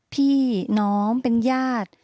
พี่น้องเป็นญาติ